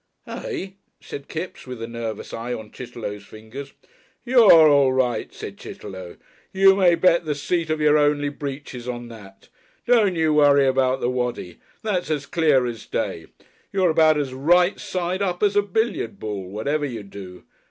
'" "Eh?" said Kipps, with a nervous eye on Chitterlow's fingers. "You're all right," said Chitterlow; "you may bet the seat of your only breeches on that! Don't you worry about the Waddy that's as clear as day. You're about as right side up as a billiard ball whatever you do.